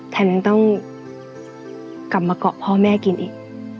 แถมยังต้องกลับมาเกาะพ่อแม่กินอีก